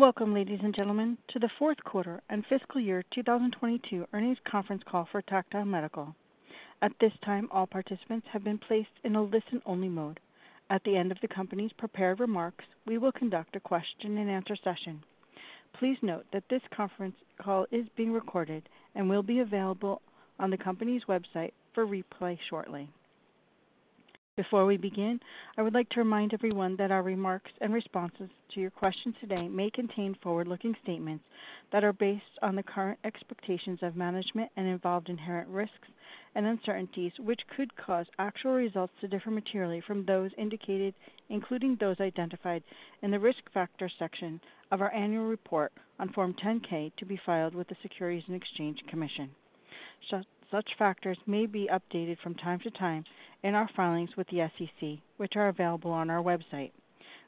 Welcome, ladies and gentlemen, to the Fourth Quarter and Fiscal Year 2022 Earnings Conference Call for Tactile Medical. At this time, all participants have been placed in a listen-only mode. At the end of the company's prepared remarks, we will conduct a question-and-answer session. Please note that this conference call is being recorded and will be available on the company's website for replay shortly. Before we begin, I would like to remind everyone that our remarks and responses to your questions today may contain forward-looking statements that are based on the current expectations of management and involved inherent risks and uncertainties, which could cause actual results to differ materially from those indicated, including those identified in the Risk Factors section of our annual report on Form 10-K to be filed with the Securities and Exchange Commission. Such factors may be updated from time to time in our filings with the SEC, which are available on our website.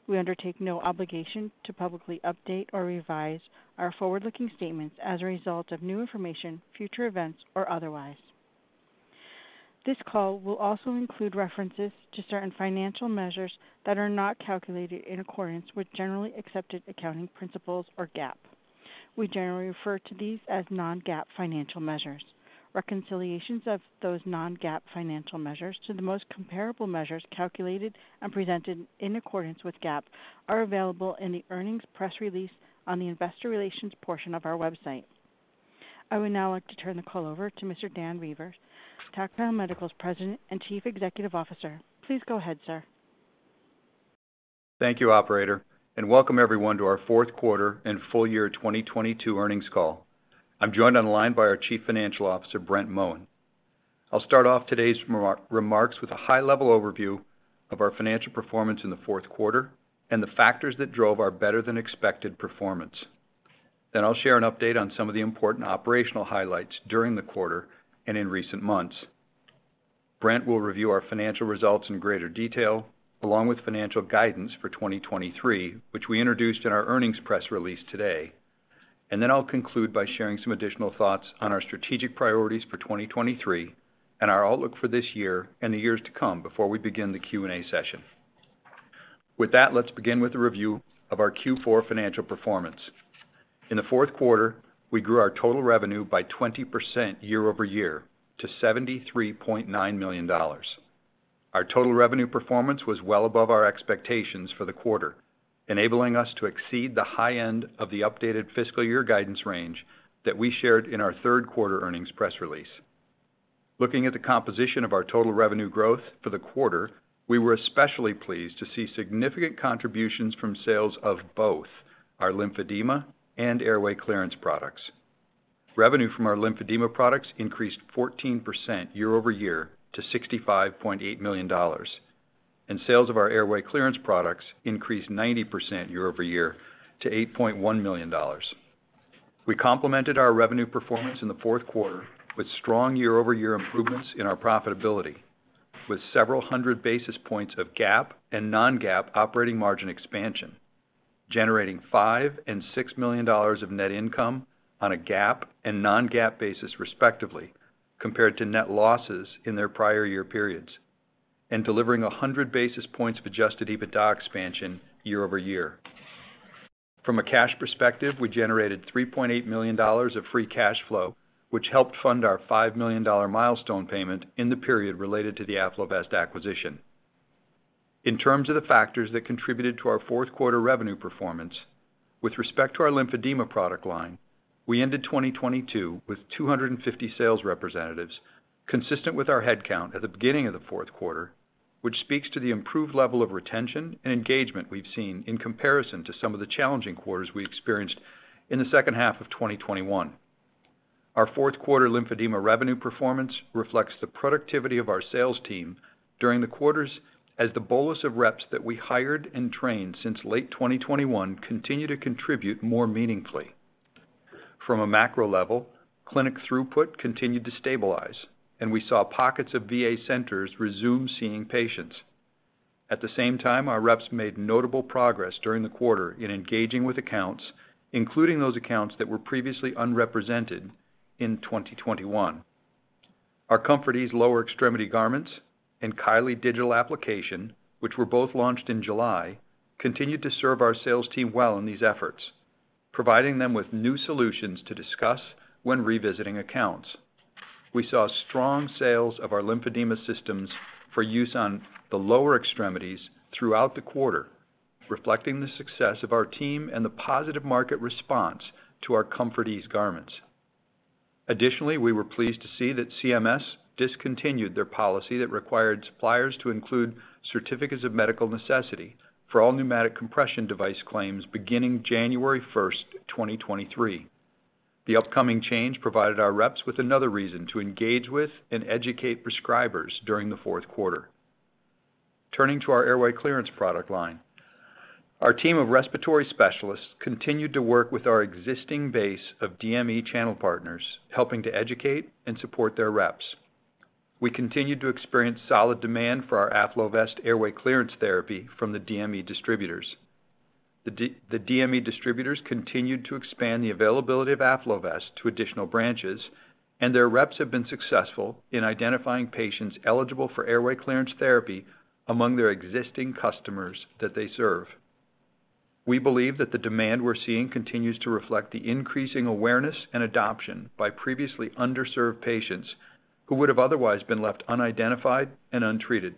We undertake no obligation to publicly update or revise our forward-looking statements as a result of new information, future events, or otherwise. This call will also include references to certain financial measures that are not calculated in accordance with generally accepted accounting principles or GAAP. We generally refer to these as non-GAAP financial measures. Reconciliations of those non-GAAP financial measures to the most comparable measures calculated and presented in accordance with GAAP are available in the earnings press release on the investor relations portion of our website. I would now like to turn the call over to Mr. Dan Reuvers, Tactile Medical's President and Chief Executive Officer. Please go ahead, sir. Thank you, operator. Welcome everyone to our Fourth Quarter and Full Year 2022 Earnings Call. I'm joined on the line by our Chief Financial Officer, Brent Moen. I'll start off today's remarks with a high-level overview of our financial performance in the fourth quarter and the factors that drove our better-than-expected performance. I'll share an update on some of the important operational highlights during the quarter and in recent months. Brent will review our financial results in greater detail, along with financial guidance for 2023, which we introduced in our earnings press release today. I'll conclude by sharing some additional thoughts on our strategic priorities for 2023 and our outlook for this year and the years to come before we begin the Q&A session. With that, let's begin with a review of our Q4 financial performance. In the fourth quarter, we grew our total revenue by 20% year-over-year to $73.9 million. Our total revenue performance was well above our expectations for the quarter, enabling us to exceed the high end of the updated fiscal year guidance range that we shared in our third quarter earnings press release. Looking at the composition of our total revenue growth for the quarter, we were especially pleased to see significant contributions from sales of both our lymphedema and airway clearance products. Revenue from our lymphedema products increased 14% year-over-year to $65.8 million. Sales of our airway clearance products increased 90% year-over-year to $8.1 million. We complemented our revenue performance in the fourth quarter with strong year-over-year improvements in our profitability, with several hundred basis points of GAAP and non-GAAP operating margin expansion, generating $5 million and $6 million of net income on a GAAP and non-GAAP basis, respectively, compared to net losses in their prior year periods and delivering 100 basis points of adjusted EBITDA expansion year-over-year. From a cash perspective, we generated $3.8 million of free cash flow, which helped fund our $5 million milestone payment in the period related to the AffloVest acquisition. In terms of the factors that contributed to our fourth quarter revenue performance, with respect to our lymphedema product line, we ended 2022 with 250 sales representatives, consistent with our headcount at the beginning of the fourth quarter, which speaks to the improved level of retention and engagement we've seen in comparison to some of the challenging quarters we experienced in the second half of 2021. Our fourth quarter lymphedema revenue performance reflects the productivity of our sales team during the quarters as the bolus of reps that we hired and trained since late 2021 continue to contribute more meaningfully. From a macro level, clinic throughput continued to stabilize. We saw pockets of VA centers resume seeing patients. At the same time, our reps made notable progress during the quarter in engaging with accounts, including those accounts that were previously unrepresented in 2021. Our ComfortEase lower extremity garments and Kylee digital application, which were both launched in July, continued to serve our sales team well in these efforts, providing them with new solutions to discuss when revisiting accounts. We saw strong sales of our lymphedema systems for use on the lower extremities throughout the quarter, reflecting the success of our team and the positive market response to our ComfortEase garments. Additionally, we were pleased to see that CMS discontinued their policy that required suppliers to include Certificates of Medical Necessity for all pneumatic compression device claims beginning January 1st 2023. The upcoming change provided our reps with another reason to engage with and educate prescribers during the fourth quarter. Turning to our airway clearance product line, our team of respiratory specialists continued to work with our existing base of DME channel partners, helping to educate and support their reps. We continued to experience solid demand for our AffloVest airway clearance therapy from the DME distributors. The DME distributors continued to expand the availability of AffloVest to additional branches, and their reps have been successful in identifying patients eligible for airway clearance therapy among their existing customers that they serve. We believe that the demand we're seeing continues to reflect the increasing awareness and adoption by previously underserved patients who would have otherwise been left unidentified and untreated.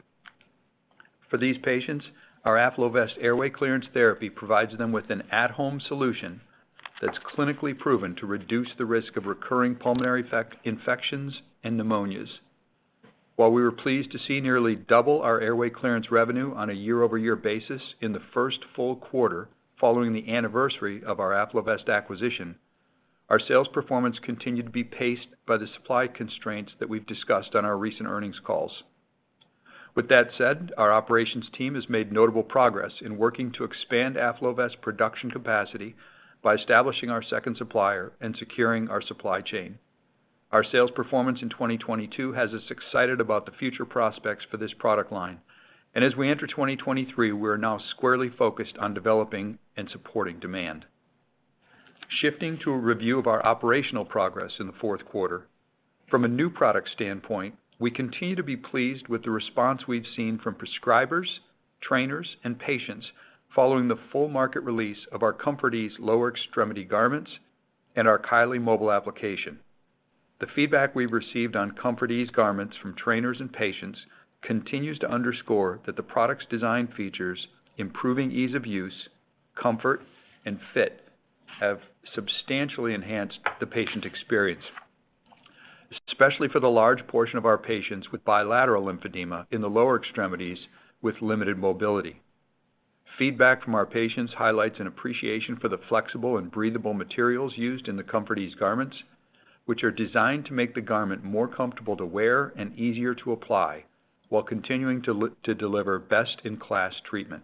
For these patients, our AffloVest airway clearance therapy provides them with an at-home solution that's clinically proven to reduce the risk of recurring pulmonary infections and pneumonias. While we were pleased to see nearly double our airway clearance revenue on a year-over-year basis in the first full quarter following the anniversary of our Afflovest acquisition, our sales performance continued to be paced by the supply constraints that we've discussed on our recent earnings calls. With that said, our operations team has made notable progress in working to expand Afflovest production capacity by establishing our second supplier and securing our supply chain. Our sales performance in 2022 has us excited about the future prospects for this product line. As we enter 2023, we are now squarely focused on developing and supporting demand. Shifting to a review of our operational progress in the fourth quarter, from a new product standpoint, we continue to be pleased with the response we've seen from prescribers, trainers, and patients following the full market release of our ComfortEase lower extremity garments and our Kylee mobile application. The feedback we've received on ComfortEase garments from trainers and patients continues to underscore that the product's design features, improving ease of use, comfort, and fit, have substantially enhanced the patient experience, especially for the large portion of our patients with bilateral lymphedema in the lower extremities with limited mobility. Feedback from our patients highlights an appreciation for the flexible and breathable materials used in the ComfortEase garments, which are designed to make the garment more comfortable to wear and easier to apply while continuing to deliver best-in-class treatment.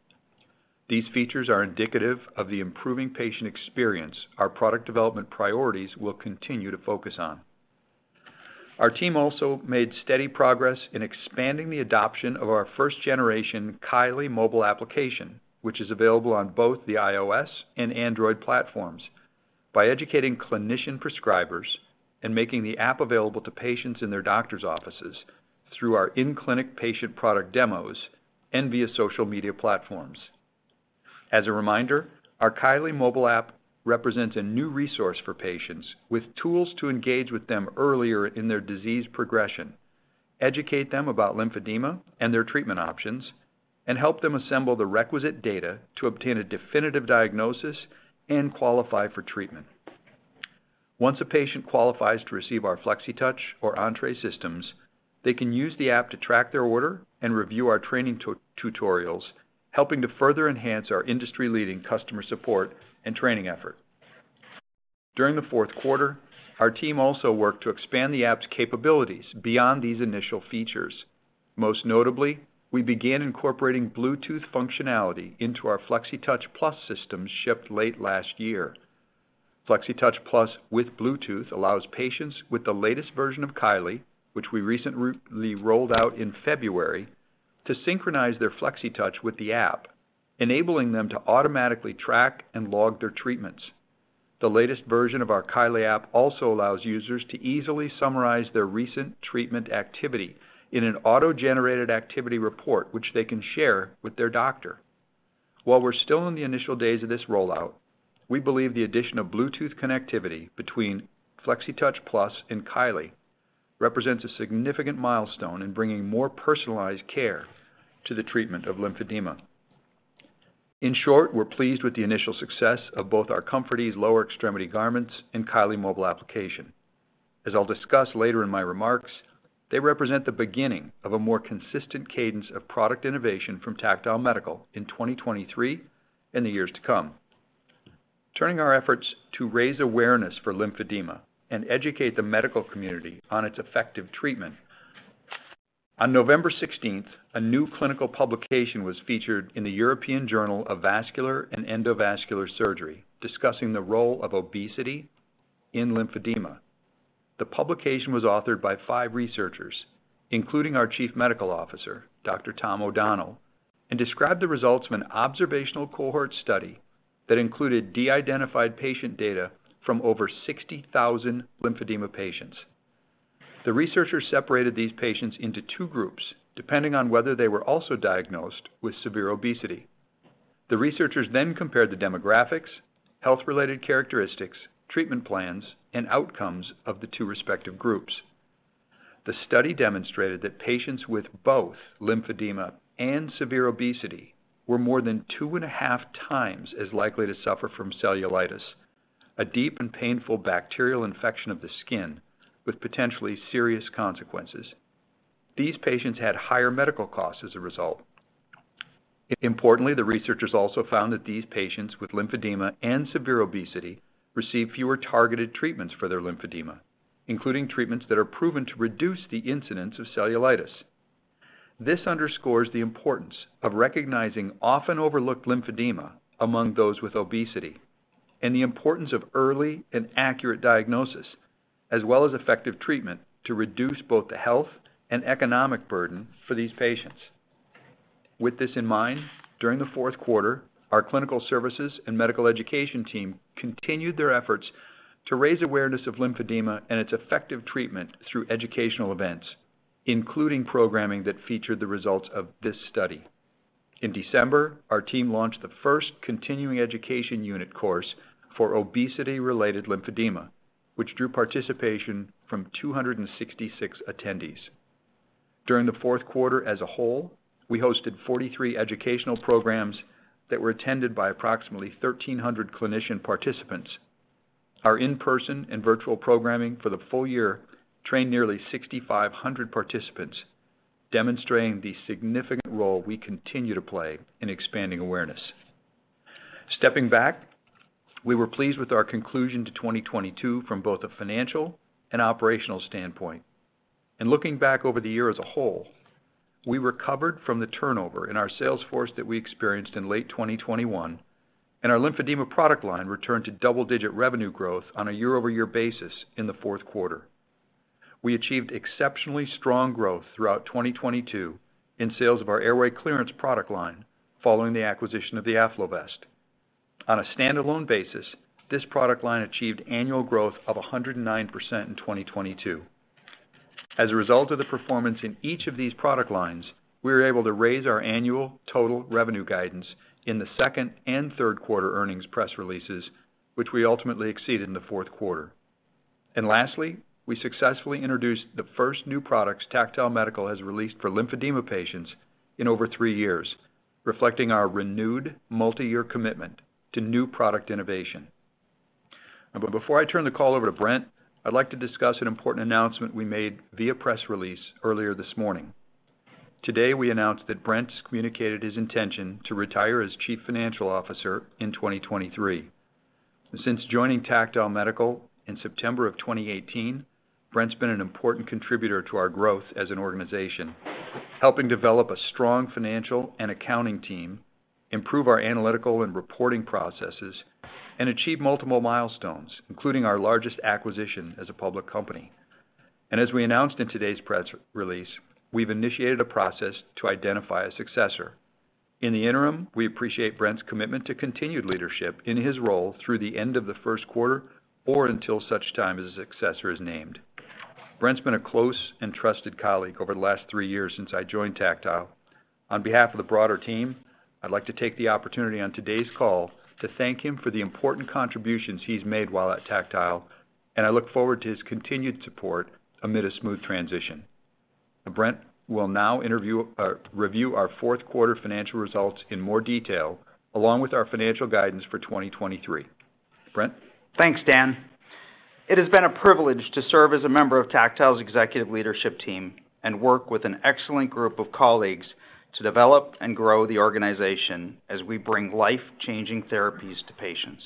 These features are indicative of the improving patient experience our product development priorities will continue to focus on. Our team also made steady progress in expanding the adoption of our first-generation Kylee mobile application, which is available on both the iOS and Android platforms by educating clinician prescribers and making the app available to patients in their doctor's offices through our in-clinic patient product demos and via social media platforms. As a reminder, our Kylee mobile app represents a new resource for patients with tools to engage with them earlier in their disease progression, educate them about lymphedema and their treatment options, and help them assemble the requisite data to obtain a definitive diagnosis and qualify for treatment. Once a patient qualifies to receive our Flexitouch or Entre Systems, they can use the app to track their order and review our training tutorials, helping to further enhance our industry-leading customer support and training effort. During the fourth quarter, our team also worked to expand the app's capabilities beyond these initial features. Most notably, we began incorporating Bluetooth functionality into our Flexitouch Plus system shipped late last year. Flexitouch Plus with Bluetooth allows patients with the latest version of Kylee, which we recently rolled out in February, to synchronize their Flexitouch with the app, enabling them to automatically track and log their treatments. The latest version of our Kylee app also allows users to easily summarize their recent treatment activity in an auto-generated activity report, which they can share with their doctor. While we're still in the initial days of this rollout, we believe the addition of Bluetooth connectivity between Flexitouch Plus and Kylee represents a significant milestone in bringing more personalized care to the treatment of lymphedema. In short, we're pleased with the initial success of both our ComfortEase lower extremity garments and Kylee mobile application. As I'll discuss later in my remarks, they represent the beginning of a more consistent cadence of product innovation from Tactile Medical in 2023 and the years to come. Turning our efforts to raise awareness for lymphedema and educate the medical community on its effective treatment, on November 16th, a new clinical publication was featured in the European Journal of Vascular and Endovascular Surgery, discussing the role of obesity in lymphedema. The publication was authored by five researchers, including our Chief Medical Officer, Dr. Tom O'Donnell, and described the results of an observational cohort study that included de-identified patient data from over 60,000 lymphedema patients. The researchers separated these patients into two groups, depending on whether they were also diagnosed with severe obesity. The researchers then compared the demographics, health-related characteristics, treatment plans, and outcomes of the two respective groups. The study demonstrated that patients with both lymphedema and severe obesity were more than 2.5x as likely to suffer from cellulitis, a deep and painful bacterial infection of the skin with potentially serious consequences. These patients had higher medical costs as a result. Importantly, the researchers also found that these patients with lymphedema and severe obesity receive fewer targeted treatments for their lymphedema, including treatments that are proven to reduce the incidence of cellulitis. This underscores the importance of recognizing often overlooked lymphedema among those with obesity and the importance of early and accurate diagnosis, as well as effective treatment to reduce both the health and economic burden for these patients. With this in mind, during the fourth quarter, our clinical services and medical education team continued their efforts to raise awareness of lymphedema and its effective treatment through educational events. Including programming that featured the results of this study. In December, our team launched the first continuing education unit course for obesity-related lymphedema, which drew participation from 266 attendees. During the fourth quarter as a whole, we hosted 43 educational programs that were attended by approximately 1,300 clinician participants. Our in-person and virtual programming for the full year trained nearly 6,500 participants, demonstrating the significant role we continue to play in expanding awareness. Stepping back, we were pleased with our conclusion to 2022 from both a financial and operational standpoint. Looking back over the year as a whole, we recovered from the turnover in our sales force that we experienced in late 2021, and our lymphedema product line returned to double-digit revenue growth on a year-over-year basis in the fourth quarter. We achieved exceptionally strong growth throughout 2022 in sales of our airway clearance product line following the acquisition of the AffloVest. On a standalone basis, this product line achieved annual growth of 109% in 2022. As a result of the performance in each of these product lines, we were able to raise our annual total revenue guidance in the second and third quarter earnings press releases, which we ultimately exceeded in the fourth quarter. Lastly, we successfully introduced the first new products Tactile Medical has released for lymphedema patients in over three years, reflecting our renewed multiyear commitment to new product innovation. Before I turn the call over to Brent, I'd like to discuss an important announcement we made via press release earlier this morning. Today, we announced that Brent's communicated his intention to retire as Chief Financial Officer in 2023. Since joining Tactile Medical in September of 2018, Brent's been an important contributor to our growth as an organization, helping develop a strong financial and accounting team, improve our analytical and reporting processes, and achieve multiple milestones, including our largest acquisition as a public company. As we announced in today's press release, we've initiated a process to identify a successor. In the interim, we appreciate Brent's commitment to continued leadership in his role through the end of the first quarter or until such time as his successor is named. Brent's been a close and trusted colleague over the last three years since I joined Tactile. On behalf of the broader team, I'd like to take the opportunity on today's call to thank him for the important contributions he's made while at Tactile, and I look forward to his continued support amid a smooth transition. Brent will now review our fourth quarter financial results in more detail, along with our financial guidance for 2023. Brent? Thanks, Dan. It has been a privilege to serve as a member of Tactile's executive leadership team and work with an excellent group of colleagues to develop and grow the organization as we bring life-changing therapies to patients.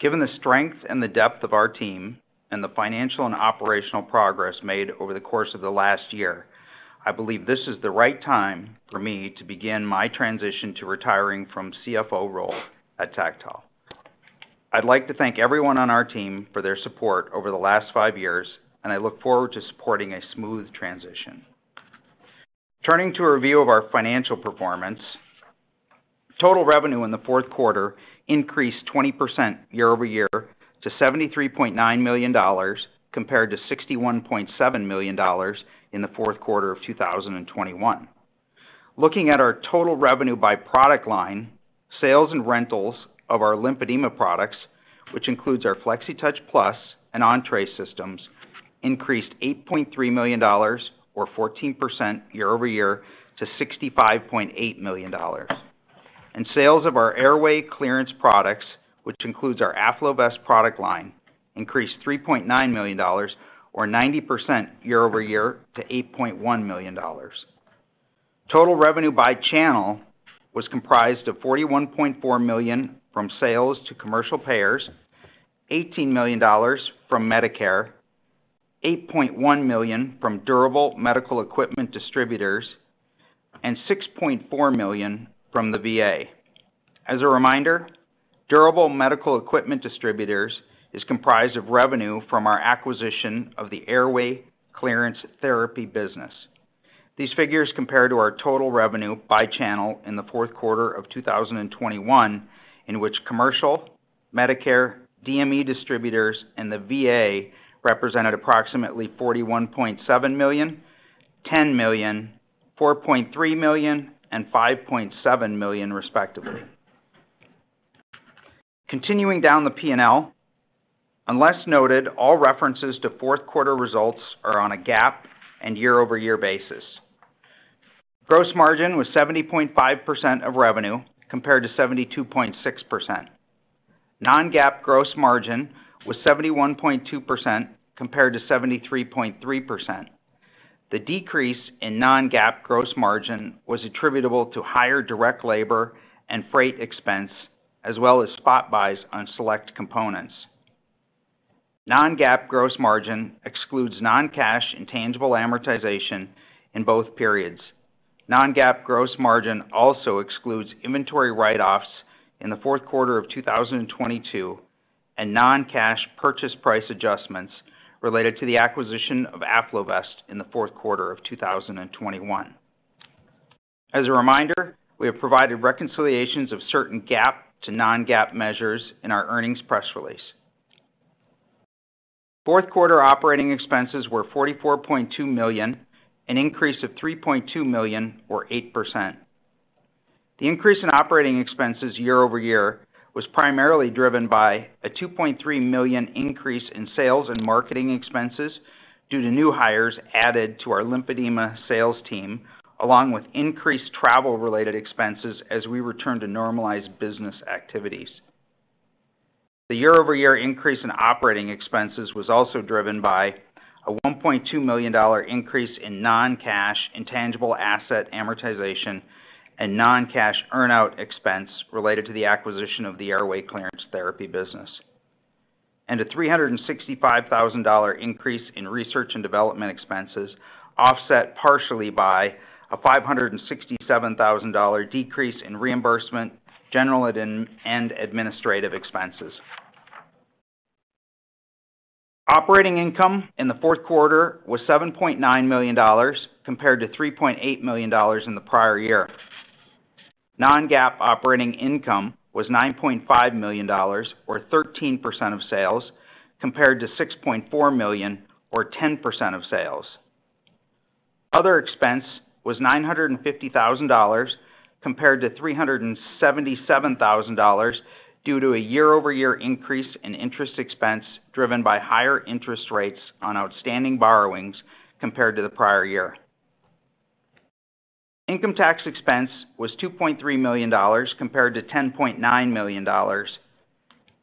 Given the strength and the depth of our team and the financial and operational progress made over the course of the last year, I believe this is the right time for me to begin my transition to retiring from CFO role at Tactile. I'd like to thank everyone on our team for their support over the last five years. I look forward to supporting a smooth transition. Turning to a review of our financial performance, total revenue in the fourth quarter increased 20% year-over-year to $73.9 million, compared to $61.7 million in the fourth quarter of 2021. Looking at our total revenue by product line, sales and rentals of our lymphedema products, which includes our Flexitouch Plus and Entre Systems, increased $8.3 million or 14% year-over-year to $65.8 million. Sales of our airway clearance products, which includes our AffloVest product line, increased $3.9 million or 90% year-over-year to $8.1 million. Total revenue by channel was comprised of $41.4 million from sales to commercial payers, $18 million from Medicare, $8.1 million from durable medical equipment distributors, and $6.4 million from the VA. As a reminder, durable medical equipment distributors is comprised of revenue from our acquisition of the airway clearance therapy business. These figures compare to our total revenue by channel in the fourth quarter of 2021, in which commercial, Medicare, DME distributors, and the VA represented approximately $41.7 million, $10 million, $4.3 million, and $5.7 million, respectively. Continuing down the P&L, unless noted, all references to fourth quarter results are on a GAAP and year-over-year basis. Gross margin was 70.5% of revenue compared to 72.6%. Non-GAAP gross margin was 71.2% compared to 73.3%. The decrease in non-GAAP gross margin was attributable to higher direct labor and freight expense, as well as spot buys on select components. Non-GAAP gross margin excludes non-cash intangible amortization in both periods. Non-GAAP gross margin also excludes inventory write-offs in the fourth quarter of 2022 and non-cash purchase price adjustments related to the acquisition of AffloVest in the fourth quarter of 2021. As a reminder, we have provided reconciliations of certain GAAP to non-GAAP measures in our earnings press release. Fourth quarter operating expenses were $44.2 million, an increase of $3.2 million or 8%. The increase in operating expenses year-over-year was primarily driven by a $2.3 million increase in sales and marketing expenses due to new hires added to our lymphedema sales team, along with increased travel-related expenses as we return to normalized business activities. The year-over-year increase in operating expenses was also driven by a $1.2 million increase in non-cash intangible asset amortization and non-cash earn-out expense related to the acquisition of the airway clearance therapy business, and a $365,000 increase in research and development expenses, offset partially by a $567,000 decrease in reimbursement, general and administrative expenses. Operating income in the fourth quarter was $7.9 million compared to $3.8 million in the prior year. Non-GAAP operating income was $9.5 million or 13% of sales, compared to $6.4 million or 10% of sales. Other expense was $950,000 compared to $377,000 due to a year-over-year increase in interest expense driven by higher interest rates on outstanding borrowings compared to the prior year. Income tax expense was $2.3 million compared to $10.9 million.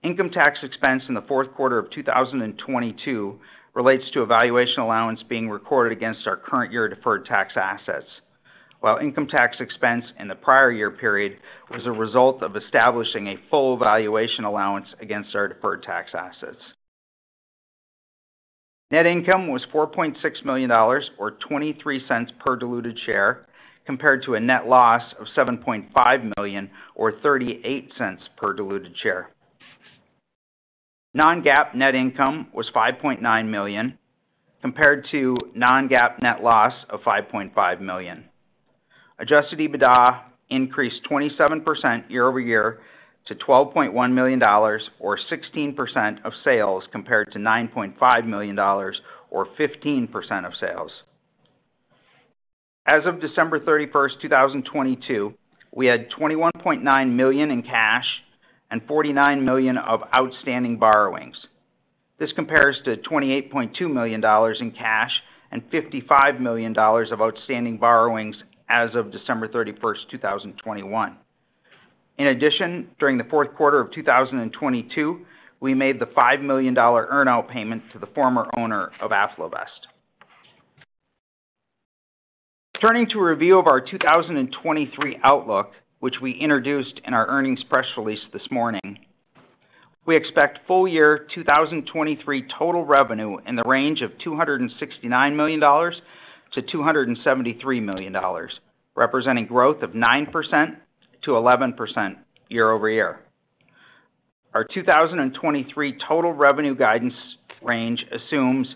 Income tax expense in the fourth quarter of 2022 relates to a valuation allowance being recorded against our current year deferred tax assets. While income tax expense in the prior year period was a result of establishing a full valuation allowance against our deferred tax assets. Net income was $4.6 million or $0.23 per diluted share, compared to a net loss of $7.5 million or $0.38 per diluted share. Non-GAAP net income was $5.9 million, compared to non-GAAP net loss of $5.5 million. Adjusted EBITDA increased 27% year-over-year to $12.1 million or 16% of sales, compared to $9.5 million or 15% of sales. As of December 31st 2022, we had $21.9 million in cash and $49 million of outstanding borrowings. This compares to $28.2 million in cash and $55 million of outstanding borrowings as of December 31st 2021. During the fourth quarter of 2022, we made the $5 million earn-out payment to the former owner of AffloVest. Turning to a review of our 2023 outlook, which we introduced in our earnings press release this morning. We expect full year 2023 total revenue in the range of $269 million to $273 million, representing growth of 9% to 11% year-over-year. Our 2023 total revenue guidance range assumes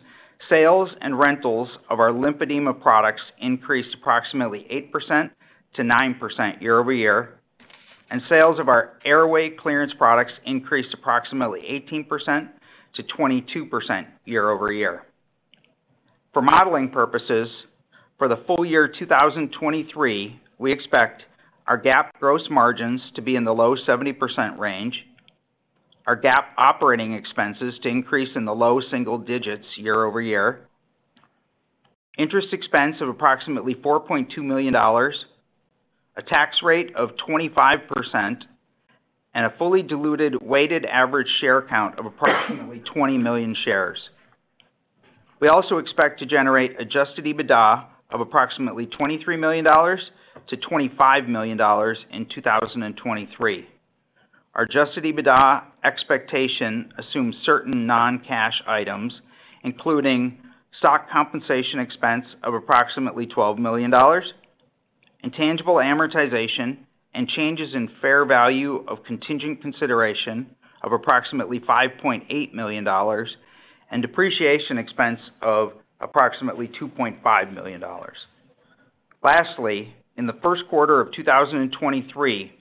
sales and rentals of our lymphedema products increased approximately 8% to 9% year-over-year, and sales of our airway clearance products increased approximately 18% to 22% year-over-year. For modeling purposes, for the full year 2023, we expect our GAAP gross margins to be in the low 70% range, our GAAP operating expenses to increase in the low single digits year-over-year, interest expense of approximately $4.2 million, a tax rate of 25%, and a fully diluted weighted average share count of approximately 20 million shares. We also expect to generate adjusted EBITDA of approximately $23 million to $25 million in 2023. Our adjusted EBITDA expectation assumes certain non-cash items, including stock compensation expense of approximately $12 million, intangible amortization and changes in fair value of contingent consideration of approximately $5.8 million, and depreciation expense of approximately $2.5 million. Lastly, in the first quarter of 2023,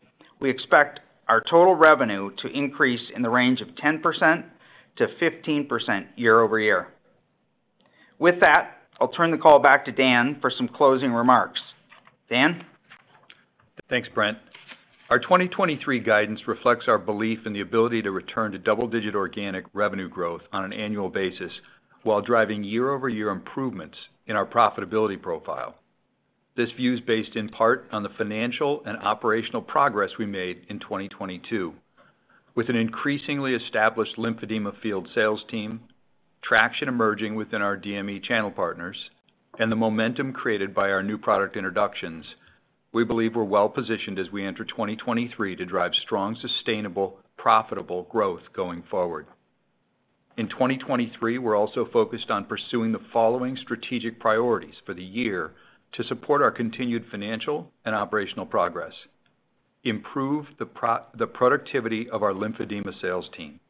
we expect our total revenue to increase in the range of 10% to 15% year-over-year. With that, I'll turn the call back to Dan for some closing remarks. Dan? Thanks, Brent. Our 2023 guidance reflects our belief in the ability to return to double-digit organic revenue growth on an annual basis while driving year-over-year improvements in our profitability profile. This view is based in part on the financial and operational progress we made in 2022. With an increasingly established lymphedema field sales team, traction emerging within our DME channel partners, and the momentum created by our new product introductions, we believe we're well-positioned as we enter 2023 to drive strong, sustainable, profitable growth going forward. In 2023, we're also focused on pursuing the following strategic priorities for the year to support our continued financial and operational progress. Improve the productivity of our lymphedema sales team.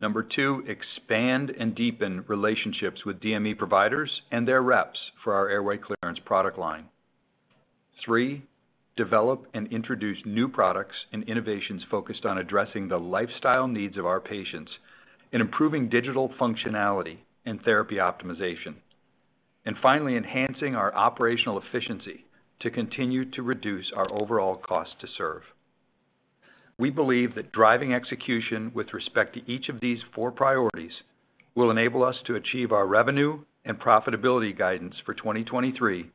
Number two, expand and deepen relationships with DME providers and their reps for our airway clearance product line. Three, develop and introduce new products and innovations focused on addressing the lifestyle needs of our patients in improving digital functionality and therapy optimization. Finally, enhancing our operational efficiency to continue to reduce our overall cost to serve. We believe that driving execution with respect to each of these four priorities will enable us to achieve our revenue and profitability guidance for 2023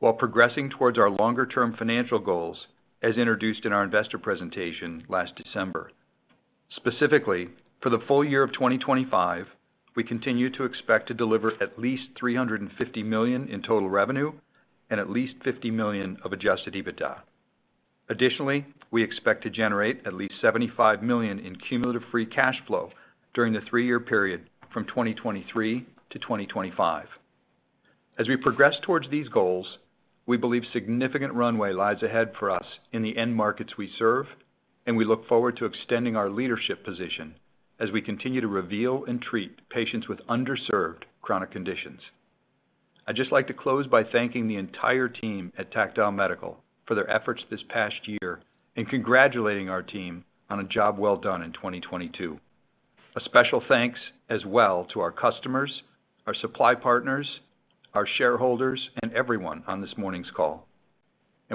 while progressing towards our longer-term financial goals, as introduced in our investor presentation last December. Specifically, for the full year of 2025, we continue to expect to deliver at least $350 million in total revenue and at least $50 million of adjusted EBITDA. Additionally, we expect to generate at least $75 million in cumulative free cash flow during the three-year period from 2023 to 2025. As we progress towards these goals, we believe significant runway lies ahead for us in the end markets we serve, and we look forward to extending our leadership position as we continue to reveal and treat patients with underserved chronic conditions. I'd just like to close by thanking the entire team at Tactile Medical for their efforts this past year and congratulating our team on a job well done in 2022. A special thanks as well to our customers, our supply partners, our shareholders, and everyone on this morning's call.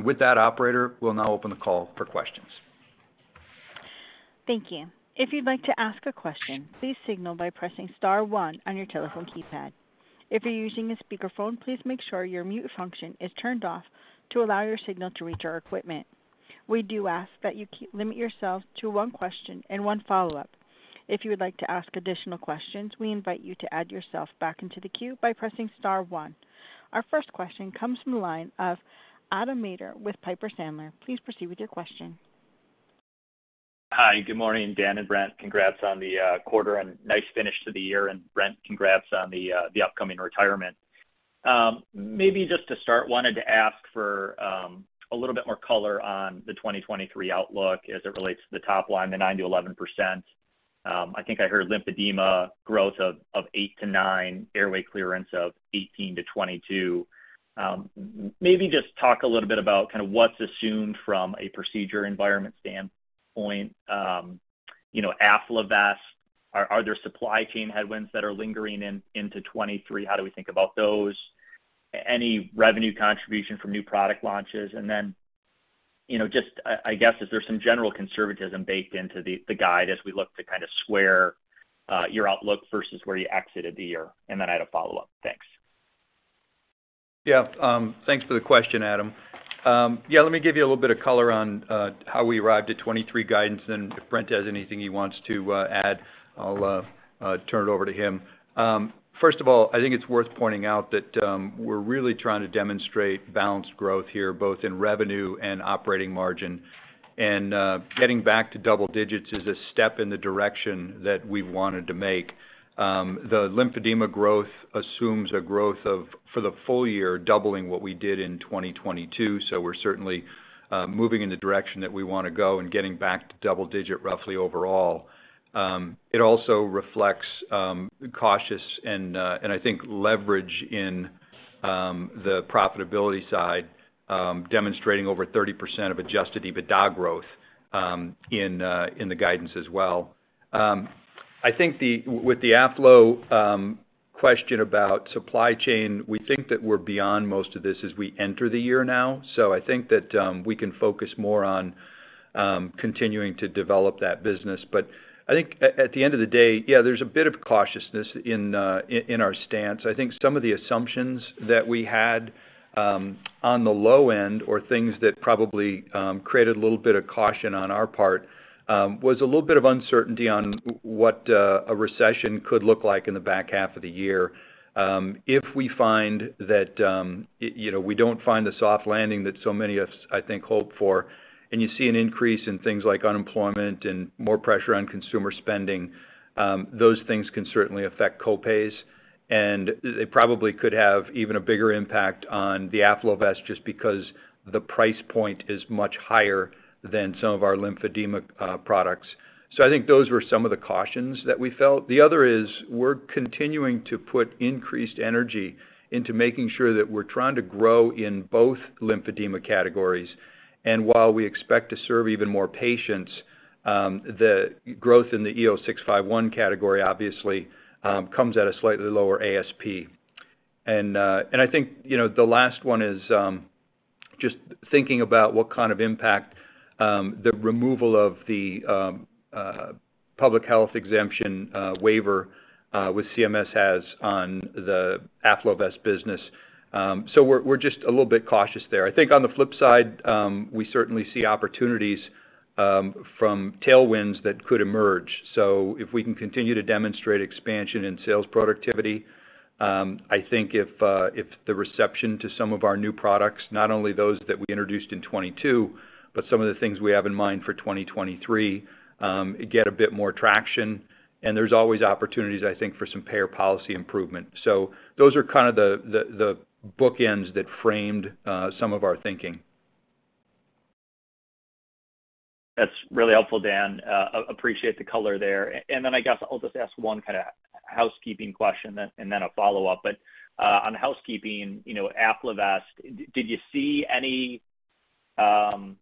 With that, operator, we'll now open the call for questions. Thank you. If you'd like to ask a question, please signal by pressing star one on your telephone keypad. If you're using a speakerphone, please make sure your mute function is turned off to allow your signal to reach our equipment. We do ask that you limit yourself to one question and one follow-up. If you would like to ask additional questions, we invite you to add yourself back into the queue by pressing star one. Our first question comes from the line of Adam Maeder with Piper Sandler. Please proceed with your question. Hi, good morning, Dan and Brent. Congrats on the quarter and nice finish to the year. Brent, congrats on the upcoming retirement. Maybe just to start, wanted to ask for a little bit more color on the 2023 outlook as it relates to the top line, the 9% to 11%. I think I heard lymphedema growth of 8% to 9%, airway clearance of 18% to 22%. Maybe just talk a little bit about kind of what's assumed from a procedure environment standpoint. You know, AffloVest, are there supply chain headwinds that are lingering into 2023? How do we think about those? Any revenue contribution from new product launches? And then, you know, just, I guess, is there some general conservatism baked into the guide as we look to kind of square your outlook versus where you exited the year? I had a follow-up. Thanks. Yeah. Thanks for the question, Adam Maeder. Yeah, let me give you a little bit of color on how we arrived at 23 guidance, and if Brent Moen has anything he wants to add, I'll turn it over to him. First of all, I think it's worth pointing out that we're really trying to demonstrate balanced growth here, both in revenue and operating margin. Getting back to double digits is a step in the direction that we wanted to make. The lymphedema growth assumes a growth of, for the full year, doubling what we did in 2022, so we're certainly moving in the direction that we wanna go and getting back to double digit roughly overall. It also reflects cautious and I think leverage in the profitability side, demonstrating over 30% of adjusted EBITDA growth in the guidance as well. I think with the Afflo question about supply chain, we think that we're beyond most of this as we enter the year now. I think that we can focus more on continuing to develop that business. I think at the end of the day, yeah, there's a bit of cautiousness in our stance. I think some of the assumptions that we had on the low end or things that probably created a little bit of caution on our part was a little bit of uncertainty on what a recession could look like in the back half of the year. If we find that, you know, we don't find the soft landing that so many of us, I think, hope for, and you see an increase in things like unemployment and more pressure on consumer spending, those things can certainly affect co-pays, and it probably could have even a bigger impact on the AffloVest just because the price point is much higher than some of our lymphedema products. I think those were some of the cautions that we felt. The other is we're continuing to put increased energy into making sure that we're trying to grow in both lymphedema categories. While we expect to serve even more patients, the growth in the E0651 category obviously comes at a slightly lower ASP. I think, you know, the last one is just thinking about what kind of impact the removal of the public health exemption waiver with CMS has on the AffloVest business. We're just a little bit cautious there. I think on the flip side, we certainly see opportunities from tailwinds that could emerge. If we can continue to demonstrate expansion in sales productivity, I think if the reception to some of our new products, not only those that we introduced in 22, but some of the things we have in mind for 2023, get a bit more traction. There's always opportunities, I think, for some payer policy improvement. Those are kind of the bookends that framed some of our thinking. That's really helpful, Dan. Appreciate the color there. Then I guess I'll just ask one kind of housekeeping question then, and then a follow-up. On housekeeping, you know, AffloVest, did you see any, you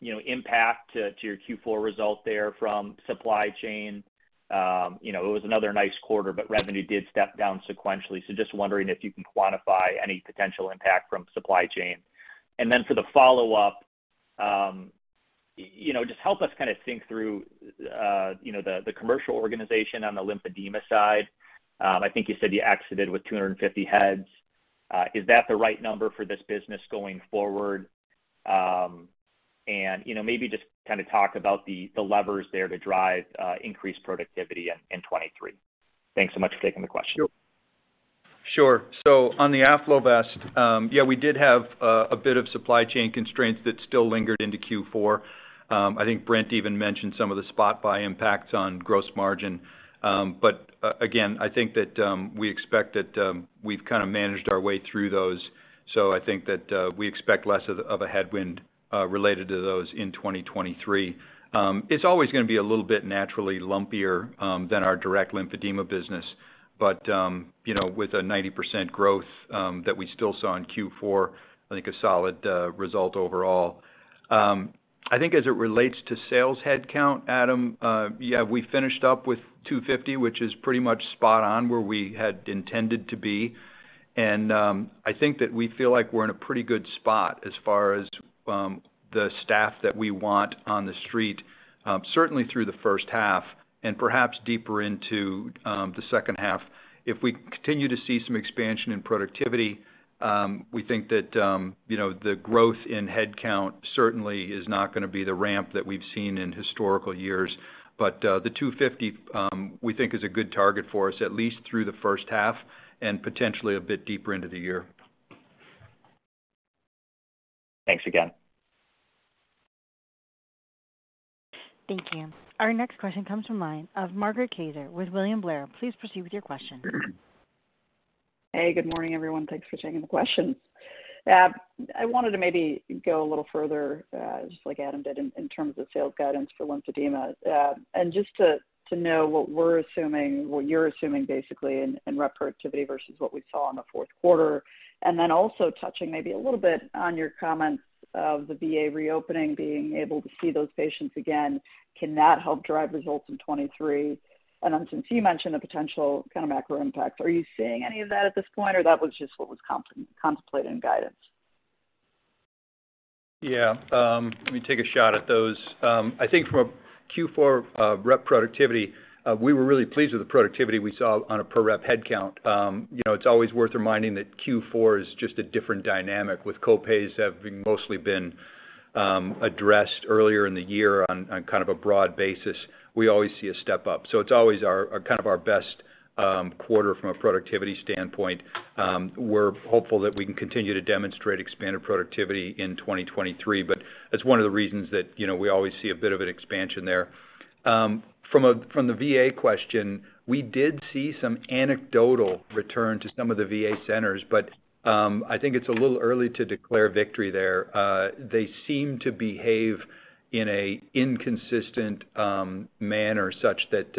know, impact to your Q4 results there from supply chain? You know, it was another nice quarter, revenue did step down sequentially. Just wondering if you can quantify any potential impact from supply chain. Then for the follow-up, you know, just help us kind of think through, you know, the commercial organization on the lymphedema side. I think you said you exited with 250 heads. Is that the right number for this business going forward? You know, maybe just kind of talk about the levers there to drive increased productivity in 2023. Thanks so much for taking the question. Sure. On the AffloVest, yeah, we did have a bit of supply chain constraints that still lingered into Q4. I think Brent even mentioned some of the spot buy impacts on gross margin. Again, I think that we expect that we've kinda managed our way through those. I think that we expect less of a headwind related to those in 2023. It's always gonna be a little bit naturally lumpier than our direct lymphedema business. You know, with a 90% growth that we still saw in Q4, I think a solid result overall. I think as it relates to sales headcount, Adam, yeah, we finished up with 250, which is pretty much spot on where we had intended to be. I think that we feel like we're in a pretty good spot as far as the staff that we want on the street, certainly through the first half and perhaps deeper into the second half. If we continue to see some expansion in productivity, we think that, you know, the growth in headcount certainly is not gonna be the ramp that we've seen in historical years. The 250, we think is a good target for us, at least through the first half and potentially a bit deeper into the year. Thanks again. Thank you. Our next question comes from line of Margaret Kaczor with William Blair. Please proceed with your question. Hey, good morning, everyone. Thanks for taking the questions. I wanted to maybe go a little further, just like Adam did in terms of sales guidance for lymphedema. Just to know what we're assuming, what you're assuming basically in rep productivity versus what we saw in the fourth quarter. Also touching maybe a little bit on your comments of the VA reopening, being able to see those patients again, can that help drive results in 2023? Since you mentioned the potential kind of macro impact, are you seeing any of that at this point, or that was just what was contemplated in guidance? Yeah, let me take a shot at those. I think from a Q4 rep productivity, we were really pleased with the productivity we saw on a per rep headcount. You know, it's always worth reminding that Q4 is just a different dynamic with co-pays having mostly been addressed earlier in the year on kind of a broad basis. We always see a step-up. It's always our kind of our best quarter from a productivity standpoint. We're hopeful that we can continue to demonstrate expanded productivity in 2023. That's one of the reasons that, you know, we always see a bit of an expansion there. From the VA question, we did see some anecdotal return to some of the VA centers. I think it's a little early to declare victory there. They seem to behave in a inconsistent manner such that,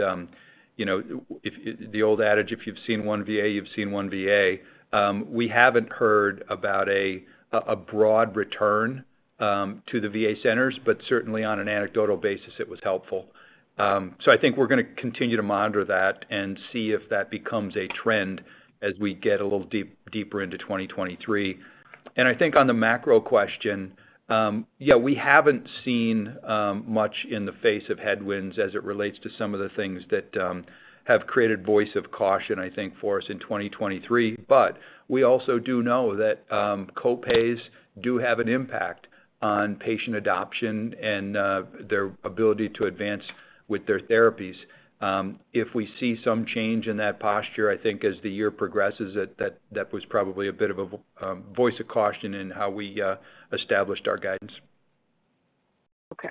you know, if the old adage, "If you've seen one VA, you've seen one VA." We haven't heard about a broad return to the VA centers, but certainly on an anecdotal basis, it was helpful. I think we're gonna continue to monitor that and see if that becomes a trend as we get a little deeper into 2023. I think on the macro question, yeah, we haven't seen much in the face of headwinds as it relates to some of the things that have created voice of caution, I think, for us in 2023. We also do know that co-pays do have an impact on patient adoption and their ability to advance with their therapies. If we see some change in that posture, I think as the year progresses, that was probably a bit of a voice of caution in how we established our guidance. Okay.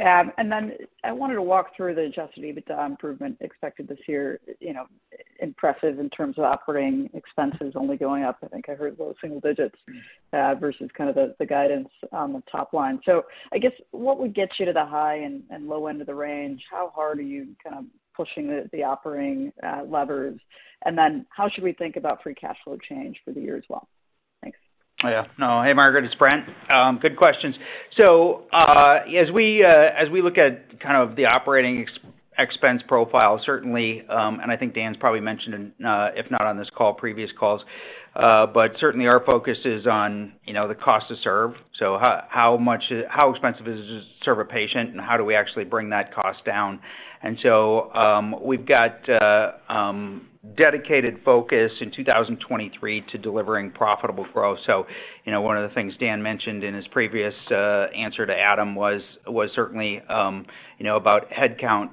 I wanted to walk through the adjusted EBITDA improvement expected this year, you know, impressive in terms of operating expenses only going up. I think I heard low single digits, versus kind of the guidance on the top line. I guess what would get you to the high and low end of the range? How hard are you kind of pushing the operating levers? How should we think about free cash flow change for the year as well? Thanks. Yeah. No. Hey, Margaret, it's Brent. Good questions. As we look at kind of the operating expense profile, certainly, and I think Dan's probably mentioned in, if not on this call, previous calls, but certainly our focus is on, you know, the cost to serve. How expensive is it to serve a patient, and how do we actually bring that cost down? We've got dedicated focus in 2023 to delivering profitable growth. You know, one of the things Dan mentioned in his previous answer to Adam was certainly, you know, about headcount.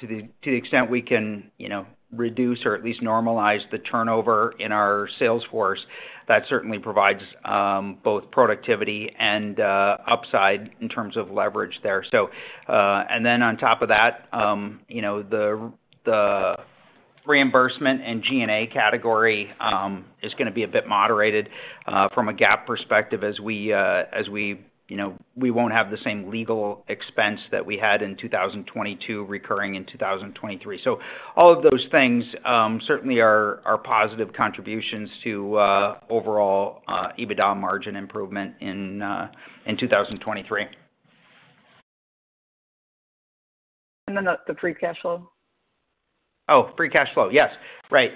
To the extent we can, you know, reduce or at least normalize the turnover in our sales force, that certainly provides both productivity and upside in terms of leverage there. On top of that, you know, the. Reimbursement and G&A category, is gonna be a bit moderated, from a GAAP perspective as we, you know, we won't have the same legal expense that we had in 2022 recurring in 2023. All of those things certainly are positive contributions to overall EBITDA margin improvement in 2023. Then the free cash flow. Oh, free cash flow. Yes, right.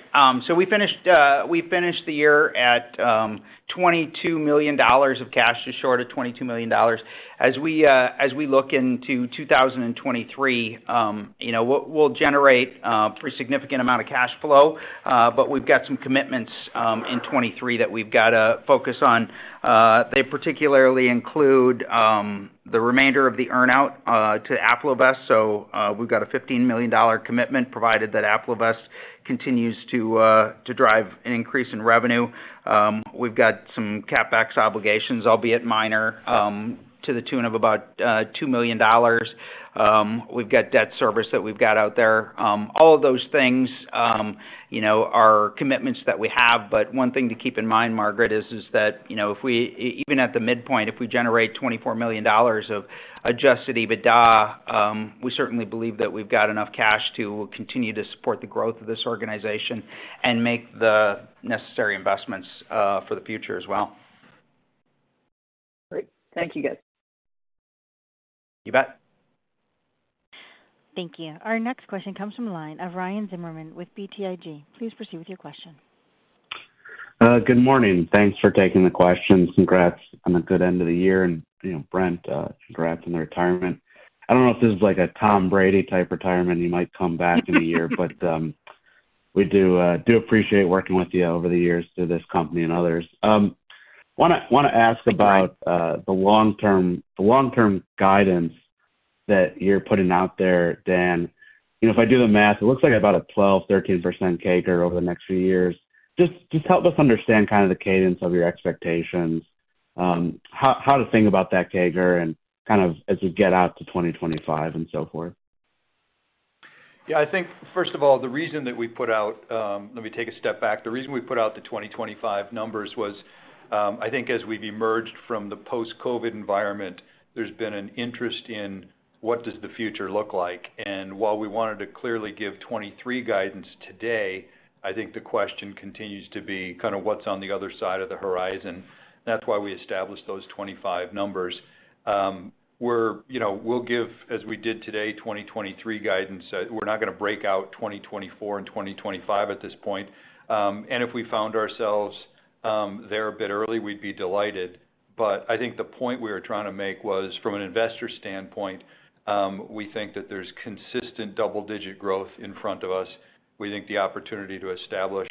We finished the year at $22 million of cash to short of $22 million. As we look into 2023, you know, we'll generate pretty significant amount of cash flow, but we've got some commitments in 2023 that we've gotta focus on. They particularly include the remainder of the earn-out to AffloVest. We've got a $15 million commitment provided that AffloVest continues to drive an increase in revenue. We've got some CapEx obligations, albeit minor, to the tune of about $2 million. We've got debt service that we've got out there. All of those things, you know, are commitments that we have, but one thing to keep in mind, Margaret, is that, you know, if we even at the midpoint, if we generate $24 million of adjusted EBITDA, we certainly believe that we've got enough cash to continue to support the growth of this organization and make the necessary investments for the future as well. Great. Thank you, guys. You bet. Thank you. Our next question comes from the line of Ryan Zimmerman with BTIG. Please proceed with your question. Good morning. Thanks for taking the questions. Congrats on a good end of the year. You know, Brent, congrats on the retirement. I don't know if this is like a Tom Brady type retirement. You might come back in a year, but we do appreciate working with you over the years through this company and others. Wanna ask about the long-term guidance that you're putting out there, Dan. You know, if I do the math, it looks like about a 12% to 13% CAGR over the next few years. Just help us understand kind of the cadence of your expectations. How to think about that CAGR and kind of as we get out to 2025 and so forth. Yeah. I think first of all, the reason that we put out, let me take a step back. The reason we put out the 2025 numbers was, I think as we've emerged from the post-COVID environment, there's been an interest in what does the future look like. While we wanted to clearly give 2023 guidance today, I think the question continues to be kind of what's on the other side of the horizon. That's why we established those 2025 numbers. We're, you know, we'll give, as we did today, 2023 guidance. We're not gonna break out 2024 and 2025 at this point. If we found ourselves there a bit early, we'd be delighted. I think the point we were trying to make was from an investor standpoint, we think that there's consistent double-digit growth in front of us. We think the opportunity to establish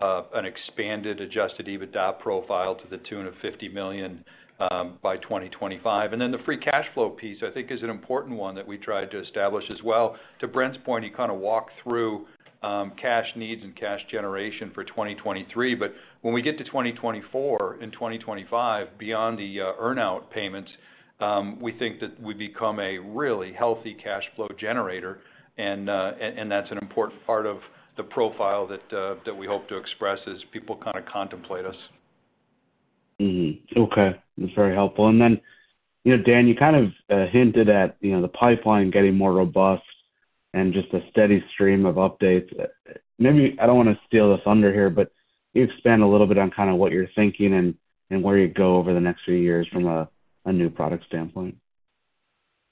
an expanded adjusted EBITDA profile to the tune of $50 million by 2025. The free cash flow piece, I think is an important one that we tried to establish as well. To Brent's point, he kind of walked through cash needs and cash generation for 2023, but when we get to 2024 and 2025, beyond the earn-out payments, we think that we become a really healthy cash flow generator. That's an important part of the profile that we hope to express as people kind of contemplate us. Okay. That's very helpful. You know, Dan, you kind of hinted at, you know, the pipeline getting more robust and just a steady stream of updates. Maybe I don't wanna steal this thunder here, but can you expand a little bit on kind of what you're thinking and where you go over the next few years from a new product standpoint?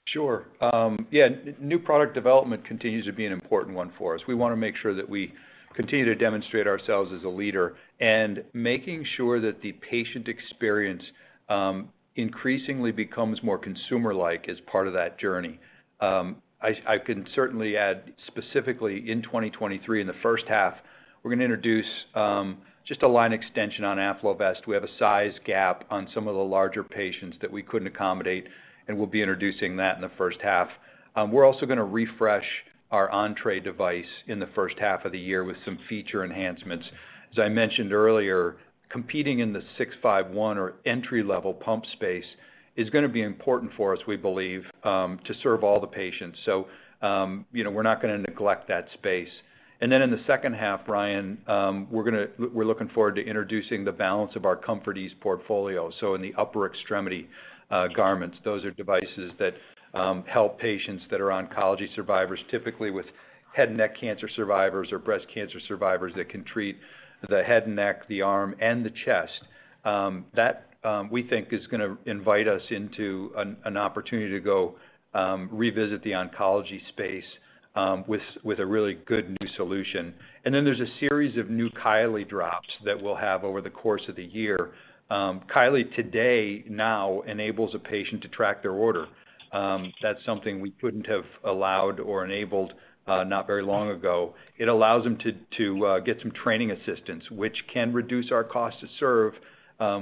Sure. Yeah, new product development continues to be an important one for us. We wanna make sure that we continue to demonstrate ourselves as a leader and making sure that the patient experience increasingly becomes more consumer-like as part of that journey. I can certainly add specifically in 2023, in the first half, we're gonna introduce just a line extension on AffloVest. We have a size gap on some of the larger patients that we couldn't accommodate, and we'll be introducing that in the first half. We're also gonna refresh our Entre device in the first half of the year with some feature enhancements. As I mentioned earlier, competing in the 651 or entry-level pump space is gonna be important for us, we believe, to serve all the patients. You know, we're not gonna neglect that space. In the second half, Ryan, we're looking forward to introducing the balance of our ComfortEase portfolio, so in the upper extremity, garments. Those are devices that help patients that are oncology survivors, typically with head and neck cancer survivors or breast cancer survivors that can treat the head and neck, the arm and the chest. That we think is gonna invite us into an opportunity to go revisit the oncology space with a really good new solution. There's a series of new Kylee drops that we'll have over the course of the year. Kylee today now enables a patient to track their order. That's something we couldn't have allowed or enabled not very long ago. It allows them to get some training assistance, which can reduce our cost to serve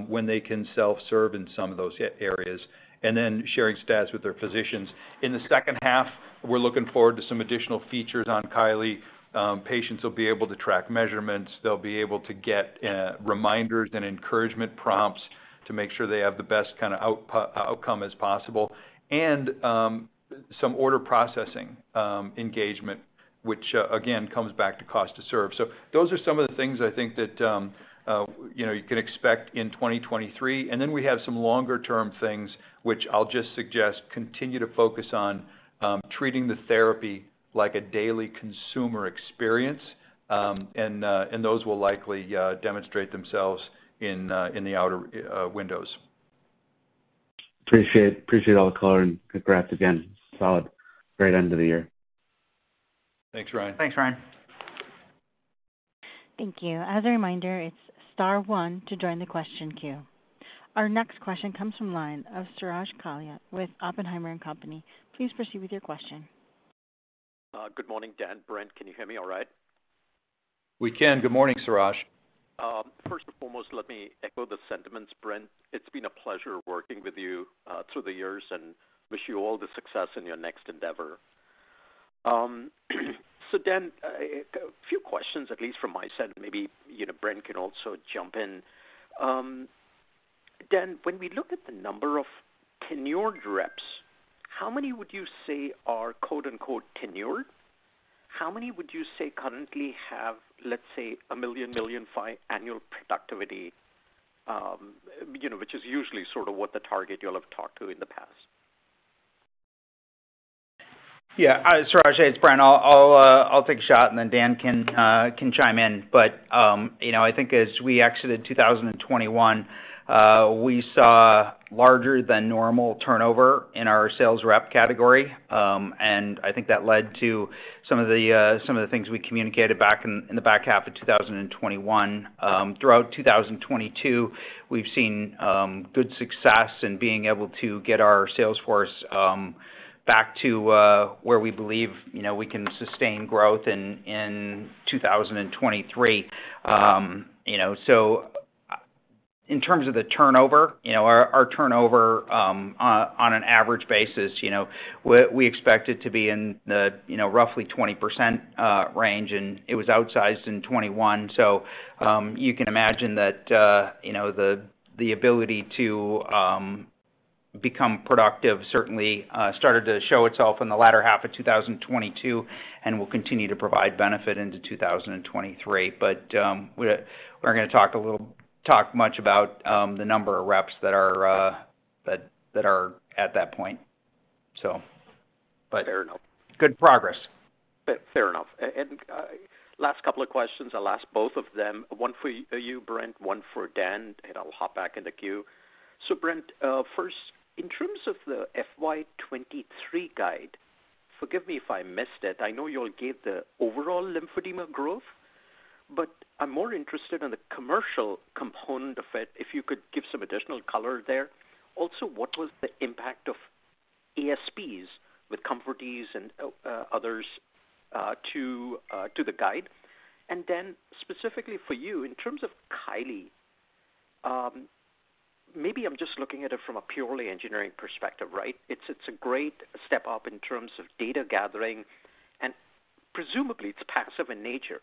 when they can self-serve in some of those areas. Sharing stats with their physicians. In the second half, we're looking forward to some additional features on Kylee. Patients will be able to track measurements. They'll be able to get reminders and encouragement prompts to make sure they have the best kinda outcome as possible. Some order processing engagement, which again comes back to cost to serve. Those are some of the things I think that, you know, you can expect in 2023. We have some longer term things which I'll just suggest continue to focus on treating the therapy like a daily consumer experience. Those will likely demonstrate themselves in the outer windows. Appreciate all the color and congrats again. Solid. Great end of the year. Thanks, Ryan. Thanks, Ryan. Thank you. As a reminder, it's star one to join the question queue. Our next question comes from line of Suraj Kalia with Oppenheimer and Company. Please proceed with your question. Good morning, Dan, Brent. Can you hear me all right? We can. Good morning, Suraj. First and foremost, let me echo the sentiments, Brent. It's been a pleasure working with you through the years, and wish you all the success in your next endeavor. Dan, a few questions, at least from my side. Maybe Brent can also jump in. Dan, when we look at the number of tenured reps, how many would you say are quote, unquote, tenured? How many would you say currently have, let's say, a $1 million, $1.5 million annual productivity? You know, which is usually sort of what the target you'll have talked to in the past. Yeah. Suraj, it's Brent. I'll take a shot then Dan can chime in. You know, I think as we exited 2021, we saw larger than normal turnover in our sales rep category. I think that led to some of the things we communicated back in the back half of 2021. Throughout 2022, we've seen good success in being able to get our sales force back to where we believe, you know, we can sustain growth in 2023. You know, in terms of the turnover, you know, our turnover on an average basis, you know, we expect it to be in the, you know, roughly 20% range. It was outsized in 2021. You can imagine that, you know, the ability to become productive certainly started to show itself in the latter half of 2022 and will continue to provide benefit into 2023. We're gonna talk much about the number of reps that are, that are at that point. Good progress. Fair enough. Last couple of questions, I'll ask both of them. One for you, Brent, one for Dan, and I'll hop back in the queue. Brent, first, in terms of the FY 2023 guide, forgive me if I missed it. I know you all gave the overall lymphedema growth, but I'm more interested on the commercial component of it, if you could give some additional color there. What was the impact of ASP's with ComfortEase and others, to the guide? Then specifically for you, in terms of Kylee, maybe I'm just looking at it from a purely engineering perspective, right? It's, it's a great step up in terms of data gathering and presumably it's passive in nature.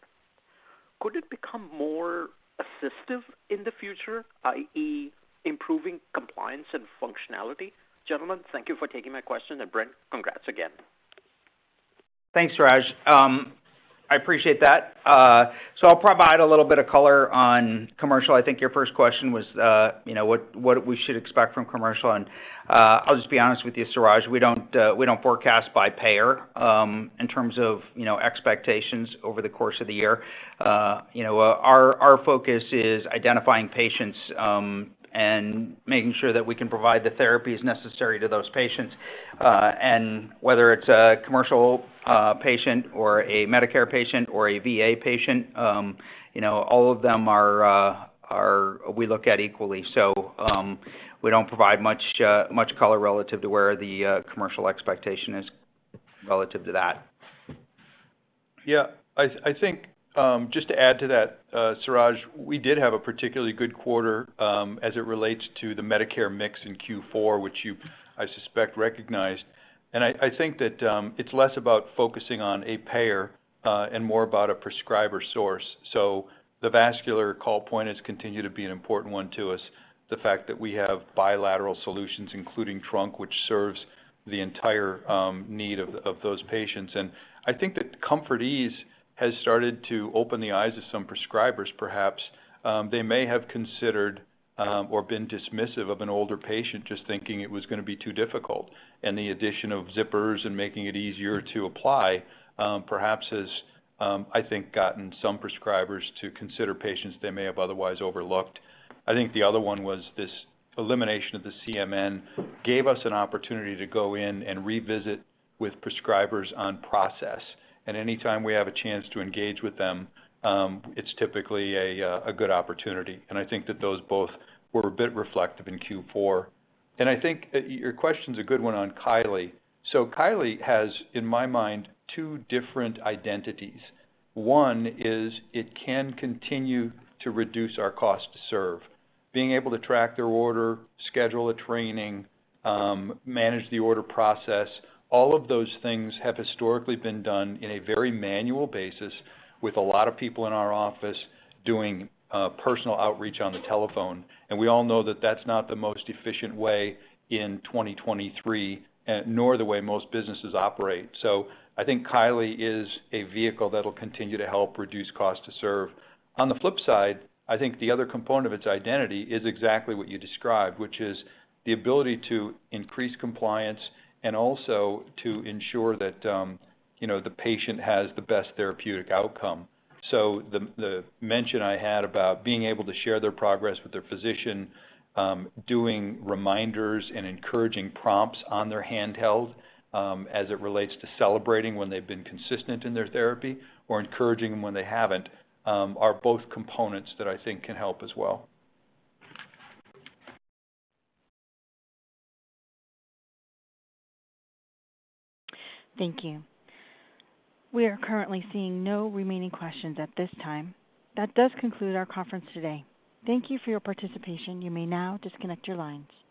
Could it become more assistive in the future, i.e. improving compliance and functionality? Gentlemen, thank you for taking my question, and Brent, congrats again. Thanks, Suraj. I appreciate that. I'll provide a little bit of color on commercial. I think your first question was, you know, what we should expect from commercial. I'll just be honest with you, Suraj, we don't, we don't forecast by payer, in terms of, you know, expectations over the course of the year. You know, our focus is identifying patients, and making sure that we can provide the therapies necessary to those patients. Whether it's a commercial patient or a Medicare patient or a VA patient, you know, all of them are, we look at equally. We don't provide much, much color relative to where the commercial expectation is relative to that. Yeah. I think, just to add to that, Suraj, we did have a particularly good quarter, as it relates to the Medicare mix in Q4, which you, I suspect, recognized. I think that, it's less about focusing on a payer, and more about a prescriber source. The vascular call point has continued to be an important one to us. The fact that we have bilateral solutions, including Trunk, which serves the entire need of those patients. I think that ComfortEase has started to open the eyes of some prescribers perhaps. They may have considered, or been dismissive of an older patient just thinking it was gonna be too difficult. The addition of zippers and making it easier to apply, perhaps has, I think, gotten some prescribers to consider patients they may have otherwise overlooked. I think the other one was this elimination of the CMN gave us an opportunity to go in and revisit with prescribers on process. Anytime we have a chance to engage with them, it's typically a good opportunity. I think that those both were a bit reflective in Q4. I think your question's a good one on Kylee. Kylee has, in my mind, two different identities. One is it can continue to reduce our cost to serve. Being able to track their order, schedule a training, manage the order process, all of those things have historically been done in a very manual basis with a lot of people in our office doing personal outreach on the telephone. We all know that that's not the most efficient way in 2023, nor the way most businesses operate. I think Kylee is a vehicle that will continue to help reduce cost to serve. On the flip side, I think the other component of its identity is exactly what you described, which is the ability to increase compliance and also to ensure that, you know, the patient has the best therapeutic outcome. The mention I had about being able to share their progress with their physician, doing reminders and encouraging prompts on their handheld, as it relates to celebrating when they've been consistent in their therapy or encouraging them when they haven't, are both components that I think can help as well. Thank you. We are currently seeing no remaining questions at this time. That does conclude our conference today. Thank you for your participation. You may now disconnect your lines.